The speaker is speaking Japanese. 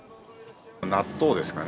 納豆ですかね。